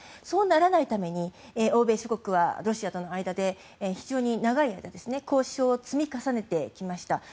そうならないために欧米諸国はロシアとの間で非常に長い間交渉を積み重ねてきました。